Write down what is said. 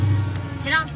知らん。